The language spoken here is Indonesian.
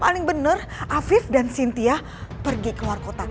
paling benar afif dan sintia pergi keluar kota